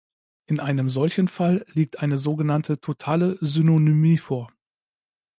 In einem solchen Fall liegt eine sogenannte "totale Synonymie" vor.